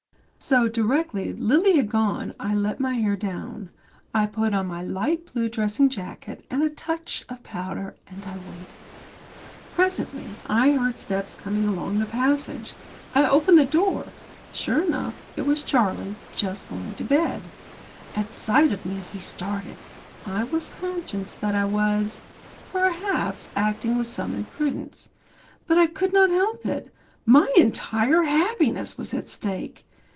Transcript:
So, directly Lily had gone I let my hair down, and I put on my light blue dressing jacket and a touch of powder, and I waited. Presently I heard steps coming along the passage. I opened the door. Sure enough it was Charlie, just going to bed. At sight of me he started. I was conscious that I was, perhaps, acting with some imprudence. But I could not help it. My entire happiness was at stake.